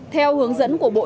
theo hướng dẫn của bộ trưởng